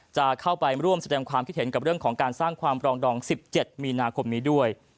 จะเข้าไปร่วมแสดงความคิดเห็นกับเรื่องของการสร้างความปรองดอง๑๗มีนาคมนี้ด้วย